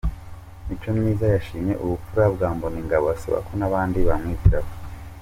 Micomyiza yashimye ubupfura bwa Mbonigaba asaba ko n’abandi bamwigiraho.